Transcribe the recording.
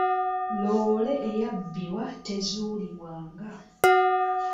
Loole eyabbibwa tezuulibwanga.